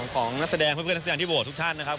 ของนักแสดงเพื่อนนักแสดงที่โหวตทุกท่านนะครับ